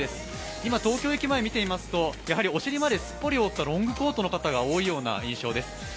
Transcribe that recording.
今、東京駅前を見てみますとやはりお尻まですっぽり覆ったロングコートの方が多い印象です。